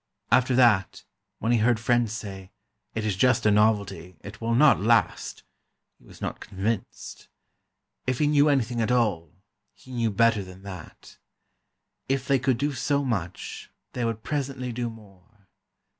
After that, when he heard friends say: "It is just a novelty—it will not last," he was not convinced. If he knew anything at all, he knew better than that. If they could do so much, they would presently do more.